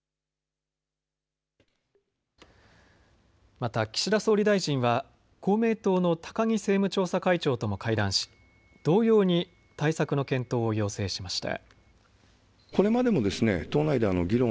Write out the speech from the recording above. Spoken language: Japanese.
また岸田総理大臣は公明党の高木政務調査会長とも会談し同様に対策の検討を要請しました。